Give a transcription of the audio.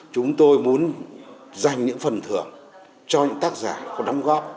chúng tôi muốn dành những phần thưởng cho những tác giả có đóng góp